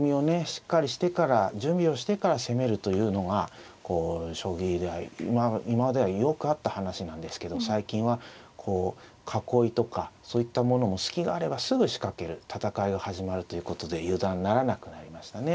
しっかりしてから準備をしてから攻めるというのがこう将棋で今まではよくあった話なんですけど最近はこう囲いとかそういったものも隙があればすぐ仕掛ける戦いが始まるということで油断ならなくなりましたね。